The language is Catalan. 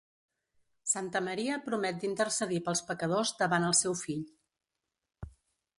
Santa Maria promet d'intercedir pels pecadors davant el seu fill.